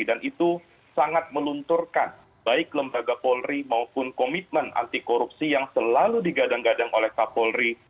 dan itu sangat melunturkan baik lembaga polri maupun komitmen anti korupsi yang selalu digadang gadang oleh kapolri